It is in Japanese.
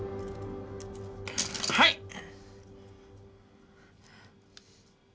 はい！